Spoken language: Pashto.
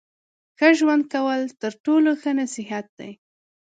ښه ژوند کول تر ټولو ښه نصیحت دی.